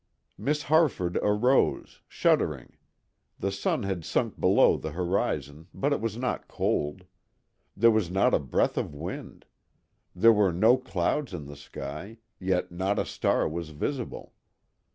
Miss Harford arose, shuddering; the sun had sunk below the horizon, but it was not cold. There was not a breath of wind; there were no clouds in the sky, yet not a star was visible.